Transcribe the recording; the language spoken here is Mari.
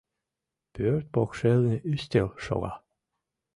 Пӧрт покшелне ӱстел шога.